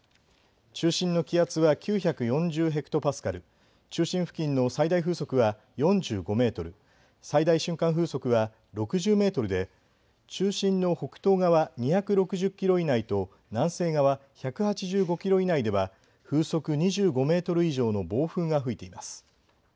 中心の気圧は９４０ヘクトパスカル、中心付近の最大風速は４５メートル、最大瞬間風速は６０メートルで、中心の北東側２６０キロ以内と南西側１８５キロ以内では風速２５メートル以上の暴風が吹いています。